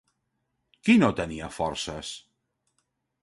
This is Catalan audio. Qui no tenia forces?